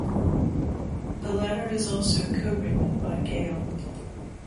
The latter is also co-written by Gale.